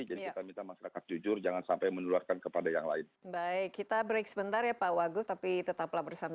jadi kita minta masyarakat jujur jangan sampai menularkan kepada yang lain